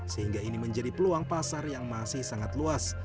sehingga ini menjadi peluang pasar yang masih sangat luas